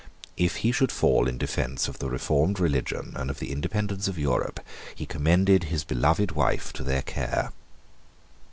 If he should fall in defence of the reformed religion and of the independence of Europe, he commended his beloved wife to their care.